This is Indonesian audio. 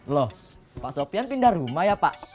loh pak sofian pindah rumah ya pak